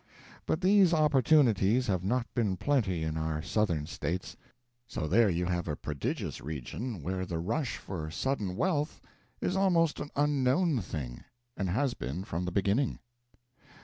But these opportunities have not been plenty in our Southern States; so there you have a prodigious region where the rush for sudden wealth is almost an unknown thing and has been, from the beginning.